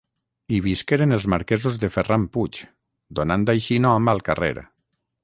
Hi visqueren els marquesos de Ferran Puig, donant així nom al carrer.